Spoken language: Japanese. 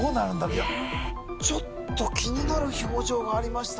いやちょっと気になる表情がありましたね